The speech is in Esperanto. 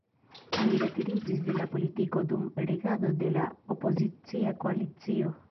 Li retiriĝis de la politiko dum regado de la opozicia koalicio.